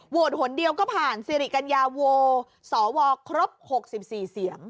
หนเดียวก็ผ่านสิริกัญญาโวสวครบ๖๔เสียง